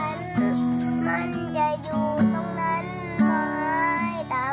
ยังจุดจำทุกข่อยว่าจะอย่าเว้าเท่ากัน